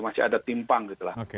masih ada timpang gitu lah